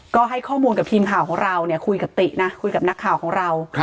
ก็ให้ข้อมูลกับทีมข่าวของเราเนี่ยคุยกับตินะคุยกับนักข่าวของเรา